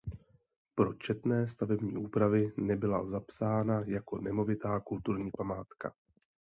Pro četné stavební úpravy nebyla zapsána jako nemovitá kulturní památka.